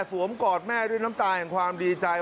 กอดแม่ด้วยน้ำตาแห่งความดีใจ